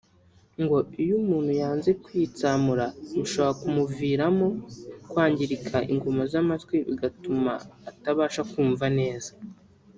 ngo iyo umuntu yanze kwitsamura bishobora kumuviramo kwangirika ingoma z’amatwi bigatuma atabasha kumva neza